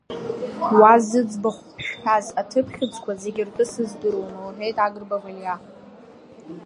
Уа зыӡбахә шәҳәаз аҭыԥ хьыӡқәа зегьы ртәы сыздыруам, — лҳәеит Агырба Валиа.